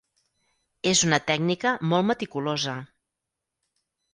És una tècnica molt meticulosa.